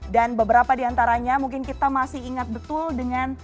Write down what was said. dan beberapa di antaranya mungkin kita masih ingat betul dengan